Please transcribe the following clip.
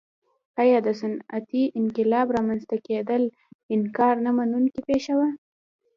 ایا د صنعتي انقلاب رامنځته کېدل انکار نه منونکې پېښه وه.